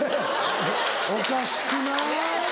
おかしくない？